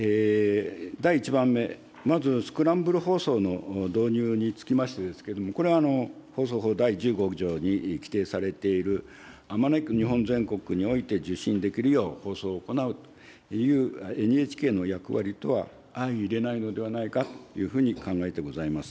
第１番目、まずスクランブル放送の導入につきましてですけれども、これは放送法第１５条に規定されている、あまねく日本全国において受信できるよう放送を行うというＮＨＫの役割とは相いれないのではないかというふうに考えてございます。